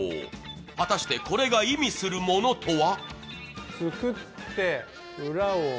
果たしてこれが意味するものとは？